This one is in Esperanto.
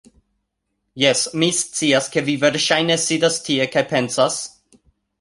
Jes, mi scias, ke vi verŝajne sidas tie kaj pensas